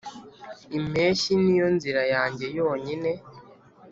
impeshyi niyo nzira yanjye yonyine.